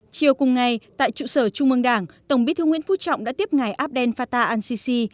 chiều cùng ngày tại trụ sở trung mương đảng tổng bí thư nguyễn phú trọng đã tiếp ngài abdel fatah al sisi